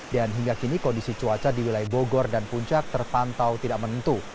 dan hingga kini kondisi cuaca di wilayah bogor dan puncak terpantau tidak menentu